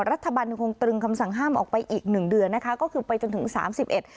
รัฐบาลยังคงตรึงคำสั่งห้ามออกไปอีกหนึ่งเดือนนะคะก็คือไปจนถึงสามสิบเอ็ด